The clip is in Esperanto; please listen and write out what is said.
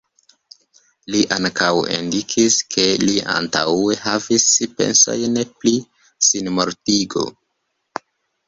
Li ankaŭ indikis, ke li antaŭe havis pensojn pri sinmortigo.